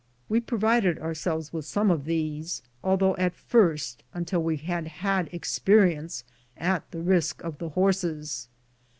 We provided ourselves with some of these, although at first, until we had had experience, at the risk of the horses.